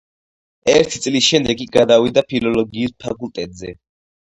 ერთი წლის შემდეგ კი გადავიდა ფილოლოგიის ფაკულტეტზე.